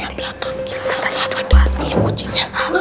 enggak ada kuc punya kucingnya